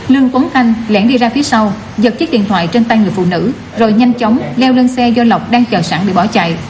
lương tuấn khanh lén đi ra phía sau giật chiếc điện thoại trên tay người phụ nữ rồi nhanh chóng leo lên xe do lộc đang chờ sẵn để bỏ chạy